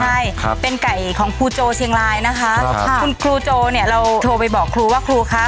ใช่ครับเป็นไก่ของครูโจเชียงรายนะคะคุณครูโจเนี่ยเราโทรไปบอกครูว่าครูคะ